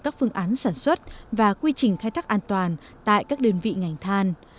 các phương án sản xuất và quy trình khai thác an toàn tại các đơn vị ngành than